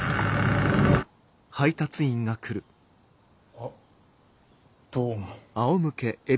あどうも。